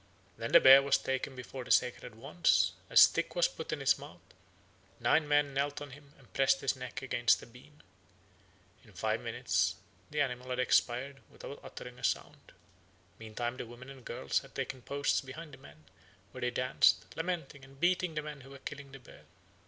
Then the bear was taken before the sacred wands, a stick was put in his mouth, nine men knelt on him and pressed his neck against a beam. In five minutes the animal had expired without uttering a sound. Meantime the women and girls had taken post behind the men, where they danced, lamenting, and beating the men who were killing the bear.